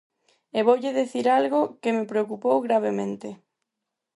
E voulle dicir algo que me preocupou gravemente.